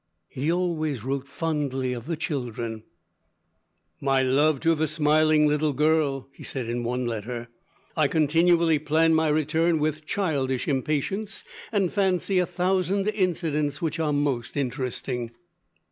He always wrote fondly of the children: "My love to the smiling little girl," he said in one letter. "I continually plan my return with childish impatience, and fancy a thousand incidents which are most interesting."